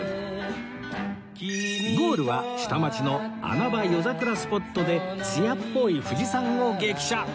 ゴールは下町の穴場夜桜スポットで艶っぽい藤さんを激写